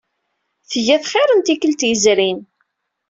Tga-t xir n tikkelt yezrin.